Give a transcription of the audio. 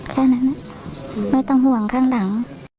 แค่นั้นไม่ต้องห่วงข้างหลัง